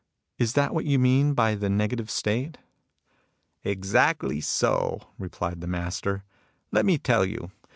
Is this what you mean by the negative state ?"" Exactly so," replied the Master. " Let me tell you.